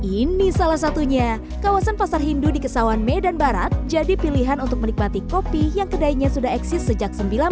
ini salah satunya kawasan pasar hindu di kesawan medan barat jadi pilihan untuk menikmati kopi yang kedainya sudah eksis sejak seribu sembilan ratus sembilan puluh